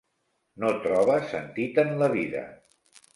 No troba sentit en la vida.